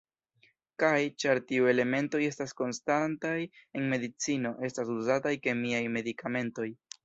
Kaj, ĉar tiu elementoj estas konstantaj, en medicino estas uzataj kemiaj medikamentoj.